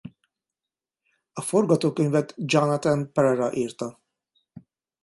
A forgatókönyvet Jonathan Perera írta.